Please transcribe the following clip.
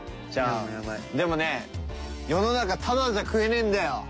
じゃあでもね世の中タダじゃ食えねえんだよ。